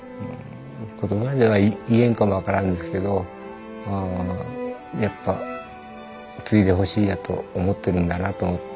言葉では言えんかも分からんですけどやっぱ継いでほしいなと思ってるんだなと思って。